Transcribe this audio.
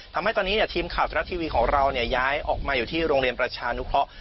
ทำให้ตอนนี้ทีมข่าวทรัฐทีวีของเราย้ายออกมาอยู่ที่โรงเรียนประชานุเคราะห์